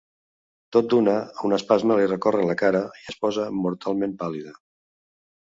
Tot d'una, un espasme li recorre la cara i es posa mortalment pàl·lida.